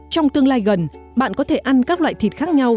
trong tương lai gần bạn có thể ăn các loại thịt khác nhau